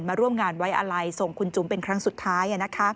ร่วมงานไว้อะไรส่งคุณจุ๋มเป็นครั้งสุดท้าย